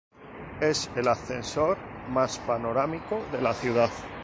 Es el ascensor más panorámico de la ciudad.